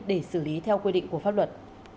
để xử lý theo quy định của pháp luật